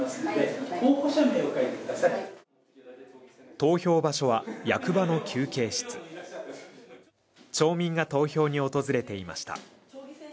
投票場所は役場の休憩室町民が投票に訪れていました